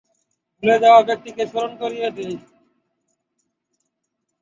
ভুলে যাওয়া ব্যক্তিকেও স্মরণ করিয়ে দেয়।